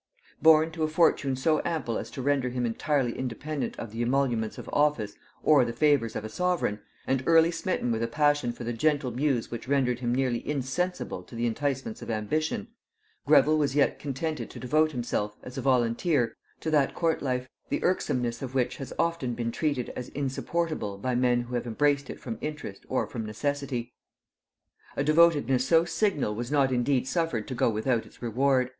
Born to a fortune so ample as to render him entirely independent of the emoluments of office or the favors of a sovereign, and early smitten with a passion for the gentle muse which rendered him nearly insensible to the enticements of ambition, Greville was yet contented to devote himself, as a volunteer, to that court life the irksomeness of which has often been treated as insupportable by men who have embraced it from interest or from necessity. A devotedness so signal was not indeed suffered to go without its reward.